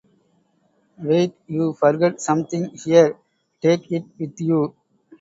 Wait! You forgot something? Here, take it with you.